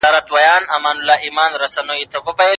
غافل انسان زرین فرصتونه له لاسه ورکوي.